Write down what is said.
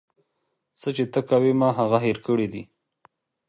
څه چې ته کوې ما هغه هير کړي دي.